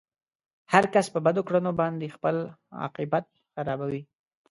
هر کس په بدو کړنو باندې خپل عاقبت خرابوي.